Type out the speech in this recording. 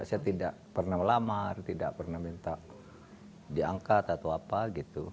saya tidak pernah melamar tidak pernah minta diangkat atau apa gitu